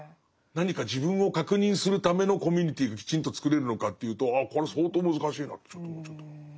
何か自分を確認するためのコミュニティーがきちんと作れるのかというとこれ相当難しいなってちょっと思っちゃった。